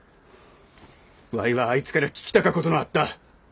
わいはあいつから聞きたかことのあった。